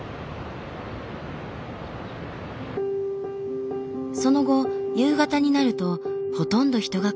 その後夕方になるとほとんど人が来なくなった。